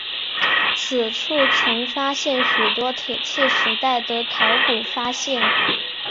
此处曾发现许多铁器时代的考古发现。